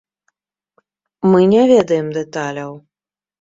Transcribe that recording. Мы не ведаем дэталяў.